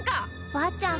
おばあちゃん